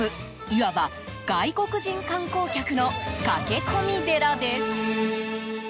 いわば外国人観光客の駆け込み寺です。